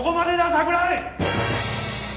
桜井！